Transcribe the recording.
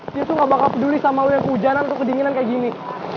dia tuh gak bakal peduli sama lo yang keujanan atau kedinginan kayak gini